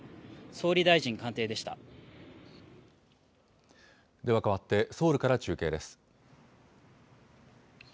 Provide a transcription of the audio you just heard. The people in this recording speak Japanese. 総理大臣官邸ではかわって、ソウルから中継です。